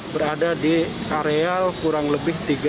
berada di area kurang lebih